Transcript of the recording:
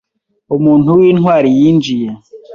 Umuntu w'intwari yinjiye